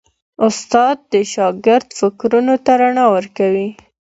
استاد د شاګرد فکرونو ته رڼا ورکوي.